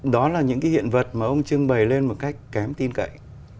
đó là những cái hiện vật mà ông trưng bày lên một cách kém tin cậy